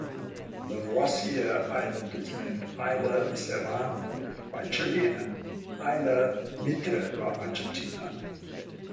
Lavoisier Island is named "Isla Serrano" by Chile and "isla Mitre" by Argentina.